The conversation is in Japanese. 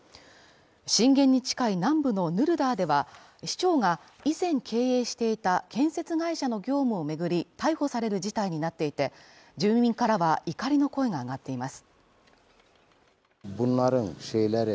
震源に近い南部のヌルダーでは市長が以前経営していた建設会社の業務を巡り、逮捕される事態になっていて、住民からは怒りの声が上がっています。